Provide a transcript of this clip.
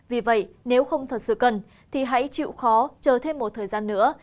vì vậy nếu không thật sự cần thì hãy chịu khó chờ thêm một thời gian nữa